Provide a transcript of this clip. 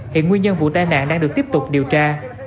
hiện nguyên nhân vụ tai nạn đang được tiếp tục điều tra